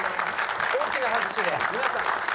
大きな拍手で皆さん。